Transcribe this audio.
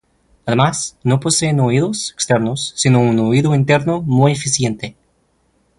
Además no poseen oídos externos, sino un oído interno muy eficiente.